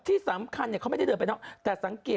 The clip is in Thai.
ที่สำคัญเนี่ยเขาไม่ได้เดินไปนอก